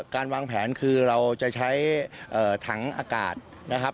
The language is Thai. การวางแผนคือเราจะใช้ถังอากาศนะครับ